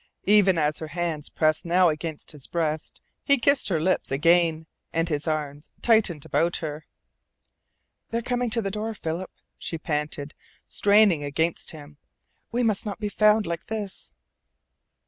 Even as her hands pressed now against his breast he kissed her lips again, and his arms tightened about her. "They are coming to the door, Philip," she panted, straining against him. "We must not be found like this!"